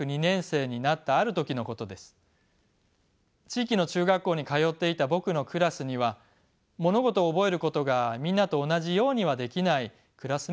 地域の中学校に通っていた僕のクラスには物事を覚えることがみんなと同じようにはできないクラスメートがいました。